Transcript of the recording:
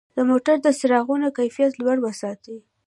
د موټرو د څراغونو کیفیت لوړ وساتئ.